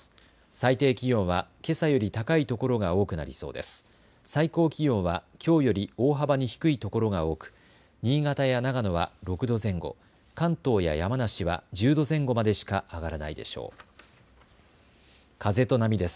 最低気温はけさより高いところが多くなりそうです。